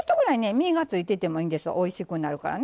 身がついててもいいんですおいしくなるからね。